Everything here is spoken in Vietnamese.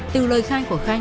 từ lời khai của khanh